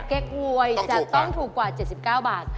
เก๊กหวยจะต้องถูกกว่า๗๙บาท